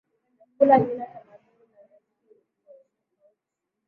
vyakula mila tamaduni na desturi tofauti tofauti